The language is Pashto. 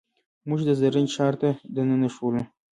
موږ د زرنج ښار ته دننه شولو.